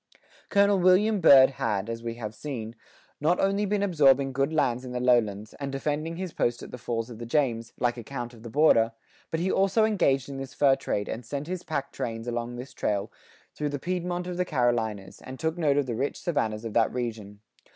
Col. William Byrd had, as we have seen, not only been absorbing good lands in the lowlands, and defending his post at the falls of the James, like a Count of the Border, but he also engaged in this fur trade and sent his pack trains along this trail through the Piedmont of the Carolinas,[87:5] and took note of the rich savannas of that region.